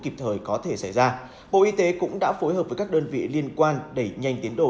kịp thời có thể xảy ra bộ y tế cũng đã phối hợp với các đơn vị liên quan đẩy nhanh tiến độ